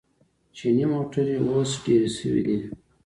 چیني موټرې اوس ډېرې شوې دي.